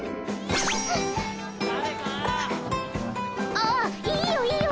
あいいよいいよ